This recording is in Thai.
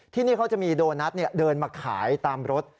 ที่นี่เขาจะมีโดนัทเดินมาขายตามรถ